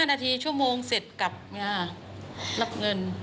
๕นาทีชั่วโมงเสร็จกลับมารับเงิน